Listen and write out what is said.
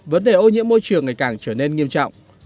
vấn đề ô nhiễm môi trường ngày càng trở nên nghiêm trọng